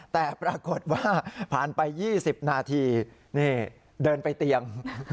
แต่ปรากฏว่าผ่านไป๒๐นาทีนี่เดินไปเตียง